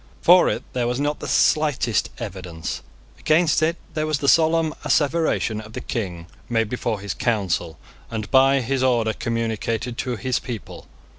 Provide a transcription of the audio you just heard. For it there was not the slightest evidence. Against it there was the solemn asseveration of the King, made before his Council, and by his order communicated to his people.